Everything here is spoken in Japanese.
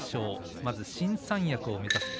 まず新三役を目指す霧